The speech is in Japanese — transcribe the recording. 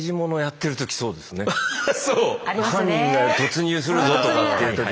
犯人が突入するぞとかってやる時。